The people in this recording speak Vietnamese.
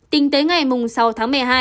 tính tới ngày sáu tháng một mươi hai